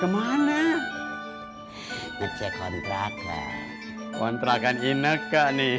mau nginjah regimes